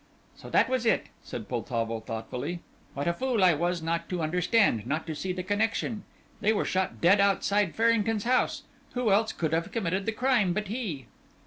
"So that was it," said Poltavo, thoughtfully. "What a fool I was not to understand, not to see the connection. They were shot dead outside Farrington's house. Who else could have committed the crime but he?"